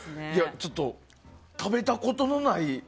ちょっと、食べたことのない。